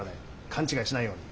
勘違いしないように。